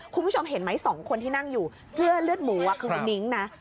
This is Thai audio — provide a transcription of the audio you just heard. คุณผู้ชมเห็นไหมสองคนที่นั่งอยู่เสื้อเลือดหมูคือคุณนิ้งนะ